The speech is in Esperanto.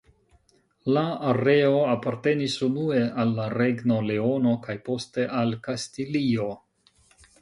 La areo apartenis unue al la Regno Leono kaj poste al Kastilio.